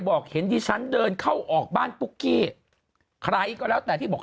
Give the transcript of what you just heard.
บอกเห็นดิฉันเดินเข้าออกบ้านปุ๊กกี้ใครก็แล้วแต่ที่บอก